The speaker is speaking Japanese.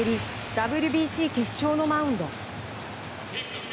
ＷＢＣ決勝のマウンド。